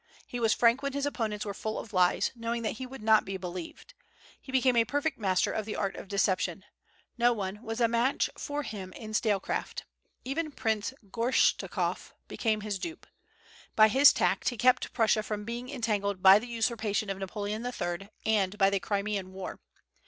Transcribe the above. He was frank when his opponents were full of lies, knowing that he would not be believed. He became a perfect master of the art of deception. No one was a match for him in statecraft. Even Prince Gortschakoff became his dupe. By his tact he kept Prussia from being entangled by the usurpation of Napoleon III., and by the Crimean war.